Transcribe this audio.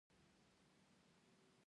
چې په الوتکه کې به لرې جهیلونو ته تللو